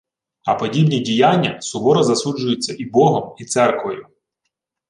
А подібні діяння суворо засуджуються і Богом, і церквою